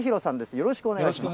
よろしくお願いします。